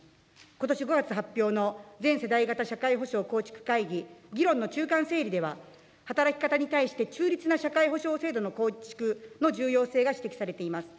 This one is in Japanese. ことし５月発表の全世代型社会保障構築会議、議論の中間整理では働き方に対して中立な社会保障制度の構築の重要性が指摘されています。